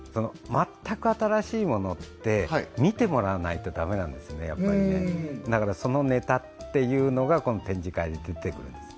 全く新しいものって見てもらわないとダメなんですねだからそのネタっていうのがこの展示会に出てくるんです